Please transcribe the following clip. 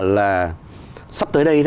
là sắp tới đây